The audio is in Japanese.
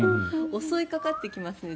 襲いかかってきますね